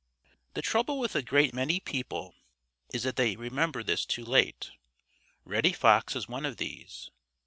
The trouble with a great many people is that they remember this too late. Reddy Fox is one of these.